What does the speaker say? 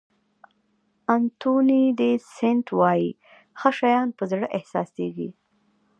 انتوني دي سېنټ وایي ښه شیان په زړه احساسېږي.